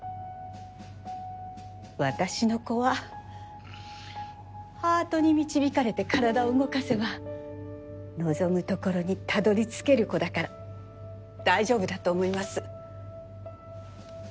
私の子はハートに導かれて体を動かせば望むところにたどりつける子だから大丈夫だと思います。